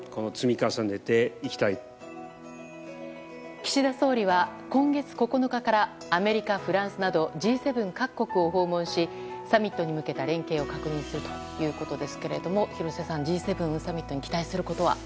岸田総理は今月９日からアメリカ、フランスなどＧ７各国を訪問しサミットに向けた連携を確認するということですけれども廣瀬さん、Ｇ７サミットに期待することは？